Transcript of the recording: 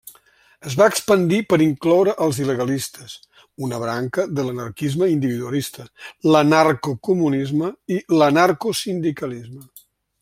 Es va expandir per incloure els il·legalistes, una branca de l'anarquisme individualista, l'anarcocomunisme i l'anarcosindicalisme.